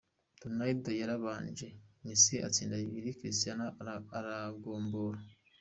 Ronaldo yarabanje, Messi atsinda bibiri, Cristiano aragombora.